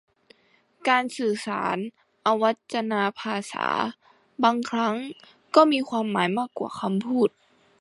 การสื่อสารอวัจนภาษาบางครั้งก็มีความหมายมากกว่าคำพูด